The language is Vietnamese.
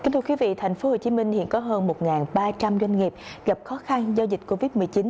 thưa quý vị tp hcm hiện có hơn một ba trăm linh doanh nghiệp gặp khó khăn do dịch covid một mươi chín